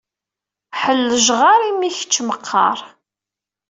Ḥellejɣaṛ, imi d kečč meqqaṛ!